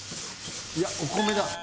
いやお米だ。